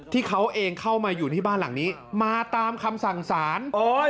ที่เขาเองเข้ามาอยู่ที่บ้านหลังนี้มาตามคำสั่งสาร